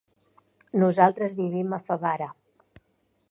Nosaltres vivim a Favara.